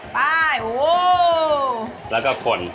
ไปโอ้วแล้วก็คน